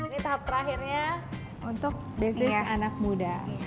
ini tahap terakhirnya untuk biasanya anak muda